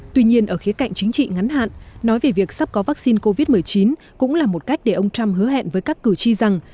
tuy nhiên ở khía cạnh chính trị ngắn hạn nói về việc sắp có vaccine covid một mươi chín cũng là một cách để ông trump hứa hẹn với các cử tri rằng